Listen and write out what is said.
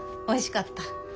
おいしかった。